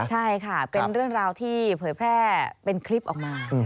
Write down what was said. ใช่ค่ะเป็นเรื่องราวที่เผยแพร่เป็นคลิปออกมา